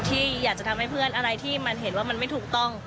ที่อยากจะทำให้เพื่อนอะไรที่มันเห็นว่ามันไม่ถูกต้อง